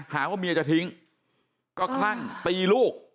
หาว่าเมียจะทิ้งก็คลั่งตีลูก